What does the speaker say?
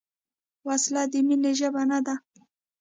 وسله د مینې ژبه نه ده